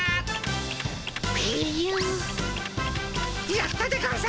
やったでゴンス！